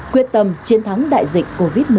quyết tâm chiến thắng đại dịch covid một mươi chín